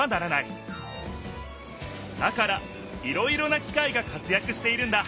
だからいろいろな機械が活やくしているんだ。